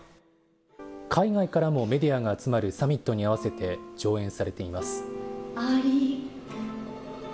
海外からもメディアが集まるサミットに合わせて上演されています。